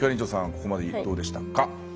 ここまで、どうでしたか？